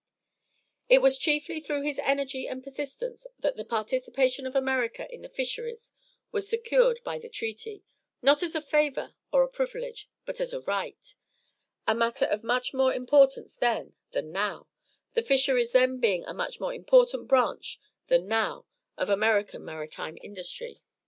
It was chiefly through his energy and persistence that the participation of America in the fisheries was secured by the treaty, not as a favor or a privilege, but as a right a matter of much more importance then than now, the fisheries then being a much more important branch than now of American maritime industry.